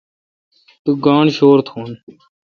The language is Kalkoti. تو گاݨڈ شور تھون۔